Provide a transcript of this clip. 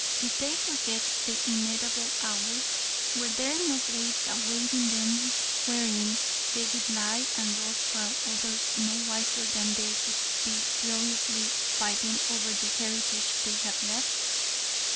Did they forget "th' inevitable hour"? Were there no graves awaiting them wherein they would lie and rot while others no wiser than they would be furiously fighting over the heritage they had left?